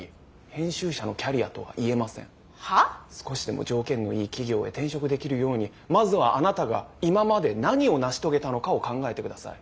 少しでも条件のいい企業へ転職できるようにまずはあなたが今まで何を成し遂げたのかを考えて下さい。